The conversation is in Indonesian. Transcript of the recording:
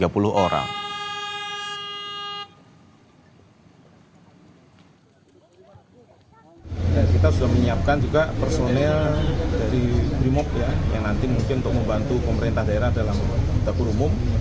kita sudah menyiapkan juga personil dari brimob yang nanti mungkin untuk membantu pemerintah daerah dalam dapur umum